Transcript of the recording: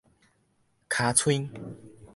尻川